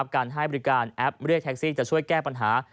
การให้บริการแอปเรียกแท็กซี่จะช่วยแก้ปัญหา